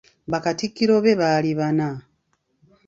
Bakatikkiro be baali bana.